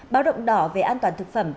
báo động đỏ về an toàn thực phẩm